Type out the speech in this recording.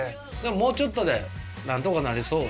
もうちょっとでなんとかなりそう？